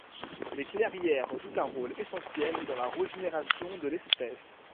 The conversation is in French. Les clairières jouent un rôle essentiel dans la régénération de l'espèce.